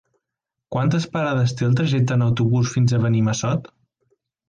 Quantes parades té el trajecte en autobús fins a Benimassot?